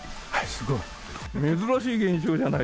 すごい。